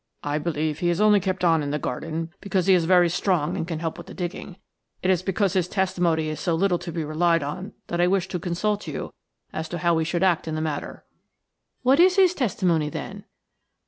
I believe he is only kept on in the garden because he is very strong and can help with the digging. It is because his testimony is so little to be relied on that I wished to consult you as to how we should act in the matter." "What is his testimony, then?"